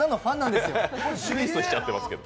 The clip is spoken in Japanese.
ピースしちゃってますけど。